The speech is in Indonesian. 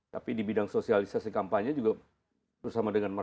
tapi di bidang sosialisasi kampanye juga bersama dengan mereka